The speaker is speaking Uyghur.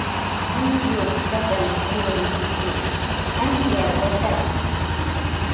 ھەممە يۇرت ۋەتەننىڭ ئايرىلماس قىسمى، ھەممە يەر ۋەتەن.